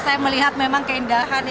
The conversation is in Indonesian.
saya melihat memang keindahan